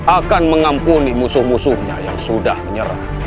akan mengampuni musuh musuhnya yang sudah menyerah